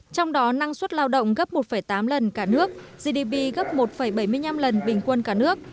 trong đó năng suất lao động gấp một tám lần cả nước gdp gấp một bảy mươi năm lần bình quân cả nước